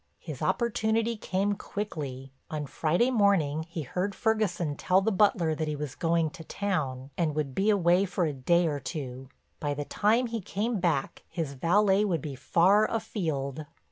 His opportunity came quickly—on Friday morning he heard Ferguson tell the butler that he was going to town and would be away for a day or two; by the time he came back his valet would be far afield.